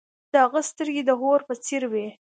د هغه سترګې د اور په څیر وې.